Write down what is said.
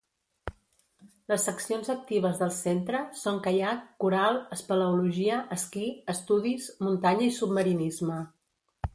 Les seccions actives del Centre són Caiac, Coral, Espeleologia, Esquí, Estudis, Muntanya i Submarinisme.